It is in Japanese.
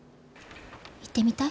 行ってみたい？